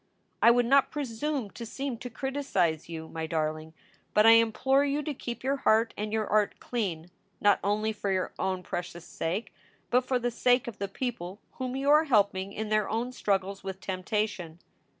"I would not presume to seem to criticize you, my darling, but I implore you to keep your heart and your art clean, not only for your own precious sake, but for the sake of the people whom you are helping in their own struggles with temptation.